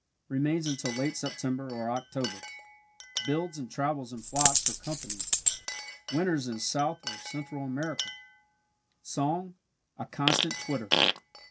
Remains until late September or October builds and travels in flocks or companies winters in South or Central America. Song a constant twitter.